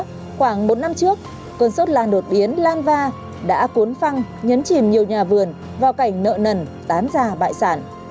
trong khoảng một năm trước cơn sốt lan đột biến lan va đã cuốn phăng nhấn chìm nhiều nhà vườn vào cảnh nợ nần tán già bại sản